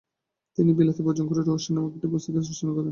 তিনি বিলাতী বর্জন রহস্য নামক একটি পুস্তিকা রচনা করেন।